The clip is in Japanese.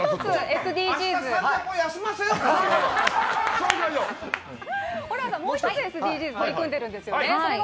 そしてホランさん、もう１つＳＤＧｓに取り組んでいるんですよ。